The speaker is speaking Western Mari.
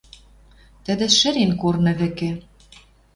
Тӹдӹ шӹрен корны вӹкӹ